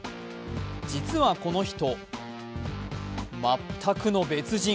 実はこの人、全くの別人。